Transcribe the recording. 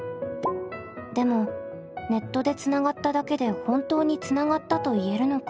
でもネットでつながっただけで本当につながったと言えるのか。